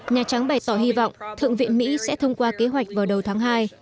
nhà trắng bày tỏ hy vọng thượng viện mỹ sẽ thông qua kế hoạch vào đầu tháng hai